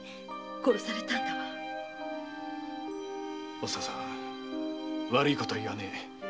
お蔦さん悪いことは言わねえ。